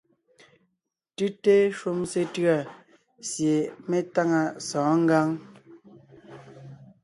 Tʉ́te shúm sétʉ̂a sie me táŋa sɔ̌ɔn ngǎŋ.